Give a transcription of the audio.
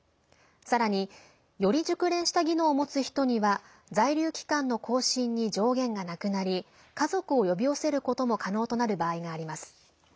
さらにより熟練した技能を持つ人には在留期間の更新に上限がなくなり家族を呼び寄せることも可能となる場合があります。